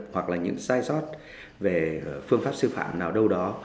hoặc là những sai sót về phương pháp sư phạm nào đâu đó